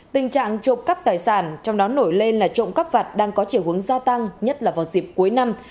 tình trạng trộm cắp tài sản trong đó nổi lên là trộm cắp vặt đang có chiều hướng gia tăng nhất là vào dịp cuối năm